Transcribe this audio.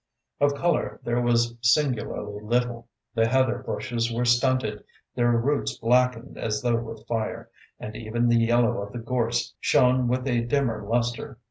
Of colour there was singularly little. The heather bushes were stunted, their roots blackened as though with fire, and even the yellow of the gorse shone with a dimmer lustre.